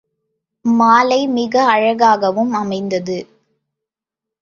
மாலை மிக அழகாகவும் அமைந்தது.